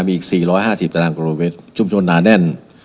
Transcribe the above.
มีอีก๔๕๐ตารางกิโลเมตรชุมชนหนาแน่น